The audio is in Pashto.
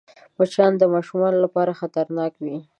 مچان د ماشومانو لپاره خطرناک وي